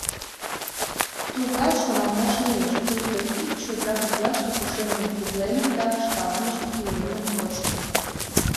Тугат шоналташ лиеш: пуйто пич чодыра коклаште пушеҥгым кукленыт да шкаланышт илемым почыныт.